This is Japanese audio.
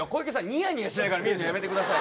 ニヤニヤしながら見るのやめて下さい。